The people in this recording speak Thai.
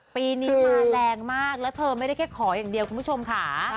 ปีนี้มาแรงมากแล้วเธอไม่ได้แค่ขออย่างเดียวคุณผู้ชมค่ะ